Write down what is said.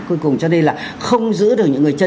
cuối cùng cho nên là không giữ được những người chân